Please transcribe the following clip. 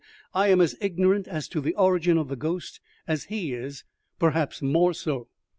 "I am as ignorant as to the origin of the ghost as he is, perhaps more so."